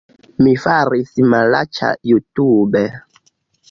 Mi faris malaĉa jutube